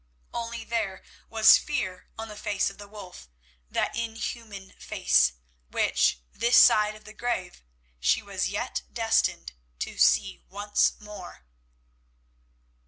Only there was fear on the face of the wolf, that inhuman face which, this side of the grave, she was yet destined to see once more.